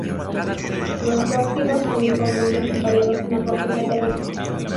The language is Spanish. Los óxidos son muy comunes y variados en la corteza terrestre.